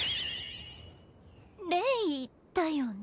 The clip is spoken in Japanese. レイだよね？